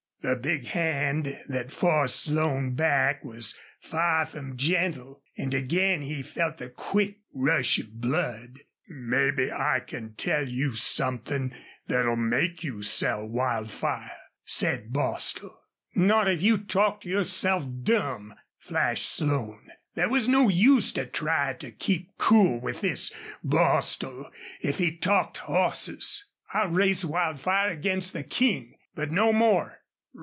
The big hand that forced Slone back was far from gentle, and again he felt the quick rush of blood. "Mebbe I can tell you somethin' thet'll make you sell Wildfire," said Bostil. "Not if you talked yourself dumb!" flashed Slone. There was no use to try to keep cool with this Bostil, if he talked horses. "I'll race Wildfire against the King. But no more."